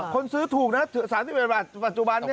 คนซื้อถูกนะจานละสามสิบเอ็ดบาทปัจจุบันเนี่ย